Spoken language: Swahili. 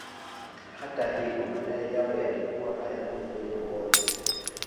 Hata hivyo madai hayo yalikuwa hayana ukweli wowote